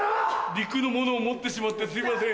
陸のものを持ってしまってすいません。